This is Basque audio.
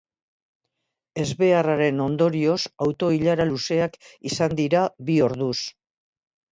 Ezbeharraren ondorioz, auto-ilara luzeak izan dira bi orduz.